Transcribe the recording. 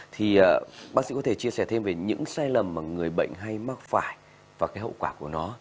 thì bác sĩ có thể chia sẻ thêm về những sai lầm mà người bệnh hay mắc phải và cái hậu quả của nó